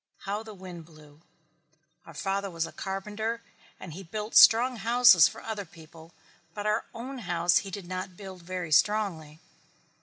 How the wind blew. Our father was a carpenter and he built strong houses for other people but our own house he did not build very strongly."